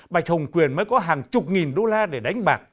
bạch hồng quyền mới có hàng chục nghìn đô la để đánh bạc